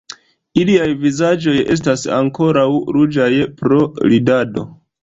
Iliaj vizaĝoj estas ankoraŭ ruĝaj pro ridado.